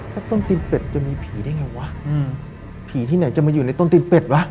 แล้วต้นตีนเป็ดจะมีผีได้ไงวะอืมผีที่ไหนจะมาอยู่ในต้นตีนเป็ดวะ